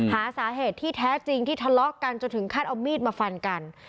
หาสาเหตุที่แท้จริงที่ทะเลาะกันจนถึงขั้นเอามีดมาฟันกัน